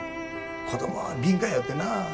子供は敏感やよってな。